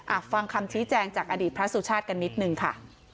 ฟังคำชี้แจงจากอดีตพระสุชาติกันนิดนึงค่ะ